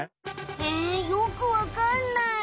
えよくわかんない。